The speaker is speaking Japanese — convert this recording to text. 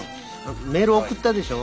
メール送ったでしょ？